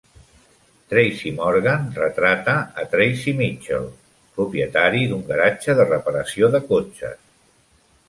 Tracy Morgan retrata a "Tracy Mitchell", propietari d'un garatge de reparació de cotxes.